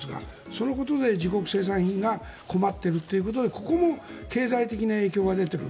そのことで自国生産品が困っているということでここも経済的な影響が出ている。